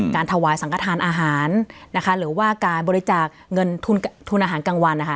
ถวายสังกระทานอาหารนะคะหรือว่าการบริจาคเงินทุนอาหารกลางวันนะคะ